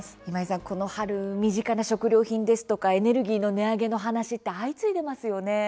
今井さん、この春身近な食料品ですとかエネルギーの値上げの話って相次いでますよね。